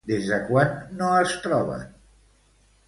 Des de quan no es troben?